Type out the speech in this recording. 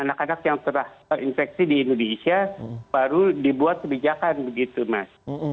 anak anak yang telah terinfeksi di indonesia baru dibuat kebijakan begitu mas